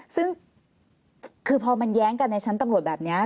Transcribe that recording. ซึ่งคือพอมันแย้งกันในชั้นตำรวจแบบนี้